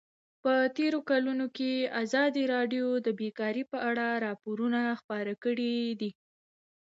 په تېرو کلونو کې ازادي راډیو د بیکاري په اړه راپورونه خپاره کړي دي.